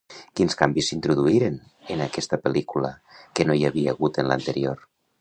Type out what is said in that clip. Quins canvis s'introduïren en aquesta pel·lícula que no hi havia hagut en l'anterior?